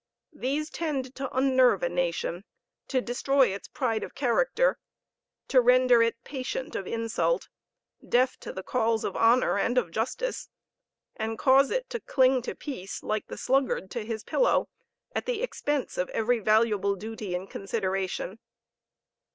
These tend to unnerve a nation; to destroy its pride of character; to render it patient of insult; deaf to the calls of honor and of justice; and cause it to cling to peace, like the sluggard to his pillow, at the expense of every valuable duty and consideration.